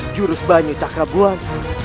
jurus banyu takrabuan